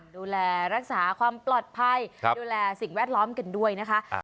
ดูแลรักษาความปลอดภัยดูแลสิ่งแวดล้อมกันด้วยนะคะ